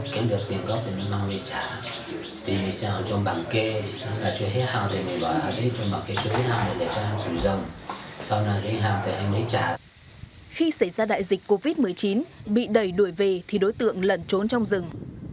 khi xảy ra đại dịch covid một mươi chín bị đẩy đuổi về thì đối tượng lẩn trốn trong rừng